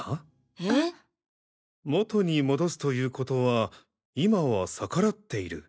え？元に戻すという事は今は逆らっている。